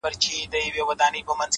سم د قصاب د قصابۍ غوندي ـ